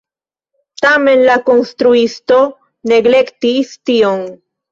Tamen la konstruisto neglektis tion.